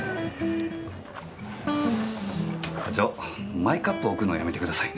課長マイカップ置くのやめてくださいね。